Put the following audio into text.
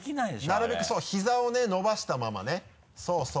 なるべくそう膝をねのばしたままねそうそう。